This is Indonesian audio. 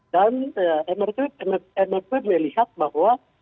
dan mrp melihat bahwa